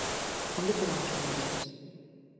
¿Onde quedamos as mulleres?